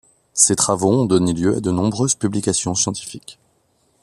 Ses travaux ont donné lieu a de nombreuses publications scientifiques.